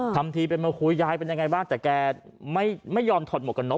ทำทีเป็นมาคุยยายเป็นยังไงบ้างแต่แกไม่ยอมถอดหมวกกันนก